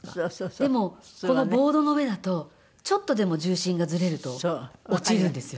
でもこのボードの上だとちょっとでも重心がずれると落ちるんですよ。